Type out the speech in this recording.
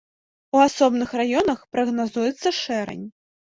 У асобных раёнах прагназуецца шэрань.